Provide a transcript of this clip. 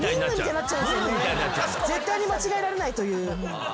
絶対に間違えられないという。